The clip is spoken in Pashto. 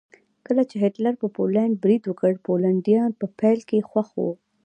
کله چې هېټلر په پولنډ برید وکړ پولنډیان په پیل کې خوښ وو